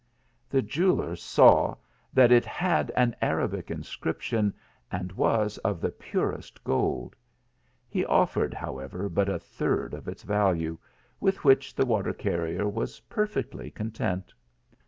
The jeweller saw that it had an Arabic inscription and was of the purest gold ; he offered, however, but a third of its value, with which the water carrier was perfectly content.